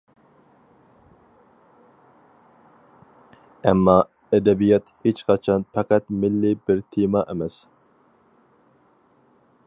ئەمما ئەدەبىيات ھېچقاچان پەقەت مىللىي بىر تېما ئەمەس.